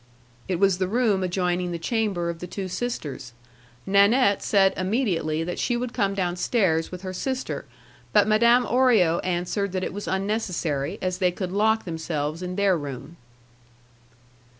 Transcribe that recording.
It was the room adjoining the chamber of the two sisters. Nanette said immediately that she would come downstairs with her sister, but Madame Orio answered that it was unnecessary, as they could lock themselves in their room.